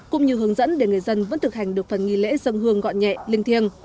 cũng như hướng dẫn để người dân vẫn thực hành được phần nghi lễ dân hương gọn nhẹ linh thiêng